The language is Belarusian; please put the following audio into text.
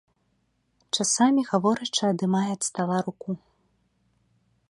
Часамі, гаворачы, адымае ад стала руку.